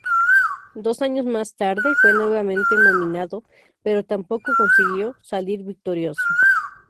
Dos años más tarde, fue nuevamente nominado, pero tampoco consiguió salir victorioso.